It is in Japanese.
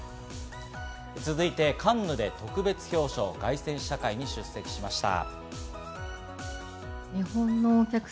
続いて、カンヌで特別表彰、凱旋試写会に出席しました。